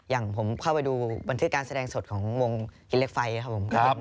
อย่างผมเข้าไปดูบันทึกการแสดงสดของวงกิเลสไฟครับผม